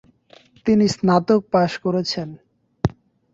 তিনি স্নাতক পাশ করেছেন।